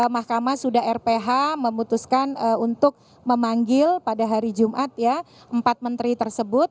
mahkamah sudah rph memutuskan untuk memanggil pada hari jumat ya empat menteri tersebut